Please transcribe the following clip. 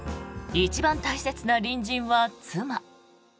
一番大切な隣人は妻。